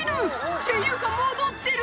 「っていうか戻ってる！」